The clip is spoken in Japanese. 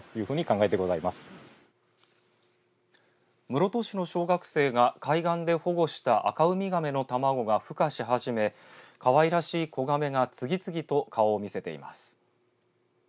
室戸市の小学生が海岸で保護したアカウミガメの卵がふ化し始めかわいらしい子ガメが次々と顔を見せています。